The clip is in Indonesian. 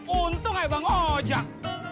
untung aja bang ojak